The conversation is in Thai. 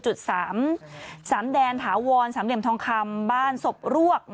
สามแดนถาวรสามเหลี่ยมทองคำบ้านศพรวก